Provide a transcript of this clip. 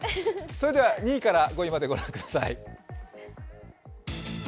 それでは、２位から５位までご覧ください。